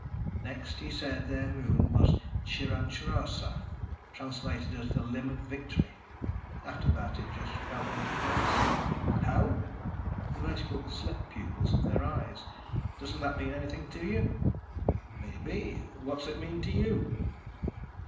Next, he said their moon was Chiranachuruso, translated as The Limb of Victory. After that it just fell into place." "How?" "The vertical slit pupils of their eyes. Doesn't that mean anything to you?" "Maybe. What's it mean to you?"